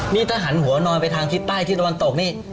นี่ถ้าหันหัวนอนไปทางทิศใต้ที่ตะวันตกนี่